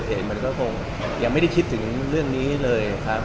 มันเพิ่งย้ายออกมามันก็ยังไม่ได้คิดถึงเรื่องนี้เลยครับ